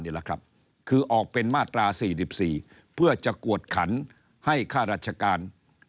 นี่แหละครับคือออกเป็นมาตรา๔๔เพื่อจะกวดขันให้ข้าราชการ